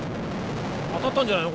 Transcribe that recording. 当たったんじゃないの？